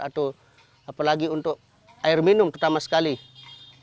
atau apalagi untuk membangun air